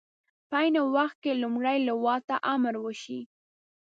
په عین وخت کې لومړۍ لواء ته امر وشي.